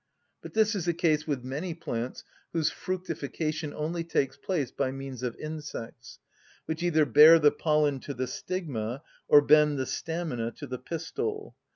But this is the case with many plants whose fructification only takes place by means of insects, which either bear the pollen to the stigma or bend the stamina to the pistil.